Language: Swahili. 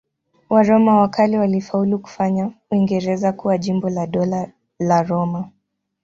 Waroma wa kale walifaulu kufanya Uingereza kuwa jimbo la Dola la Roma.